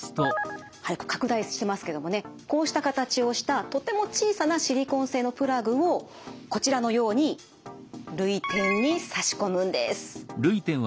拡大してますけどもねこうした形をしたとても小さなシリコン製のプラグをこちらのように涙点に差し込むんです。